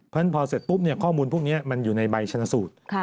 เพราะฉะนั้นพอเสร็จปุ๊บข้อมูลพวกนี้มันอยู่ในใบชนสูตร